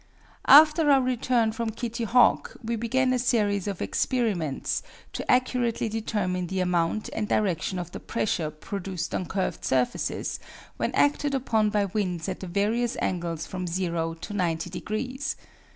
After our return from Kitty Hawk we began a series of experiments to accurately determine the amount and direction of the pressure produced on curved surfaces when acted upon by winds at the various angles from zero to 90 degrees.